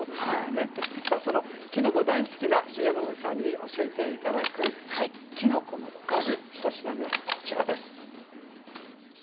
さあそのきのこ大好きな重信さんに教えて頂くきのこのおかず１品目はこちらです。